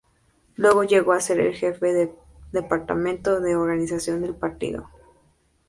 Luego, llegó a ser jefe del Departamento de Organización del partido.